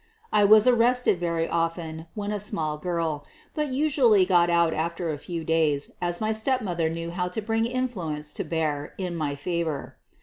I was arrested very often when a small girl, but usually got out after a few days, as my step mother Jaiew how to bring influence to bear in my favor.